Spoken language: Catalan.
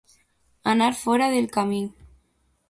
Anar fora de camí.